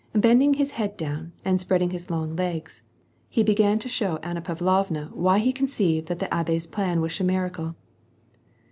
Bending his head down, and spreading his long legs, he began to show Anna Pavlovna why he conceived that the abbe's plan was chimerical.